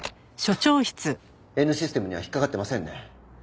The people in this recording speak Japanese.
Ｎシステムには引っかかってませんね。